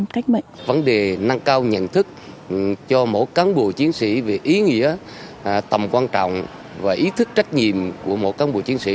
các cán bộ chiến sĩ về ý nghĩa tầm quan trọng và ý thức trách nhiệm của một cán bộ chiến sĩ